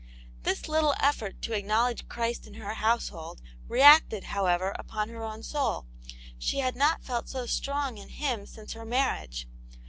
This little effort to acknowledge Christ in her household reacted, however, upon her own soul ; she had not felt so strong in Him since her marriage.